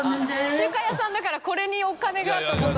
中華屋さんだからこれにお金がと思った。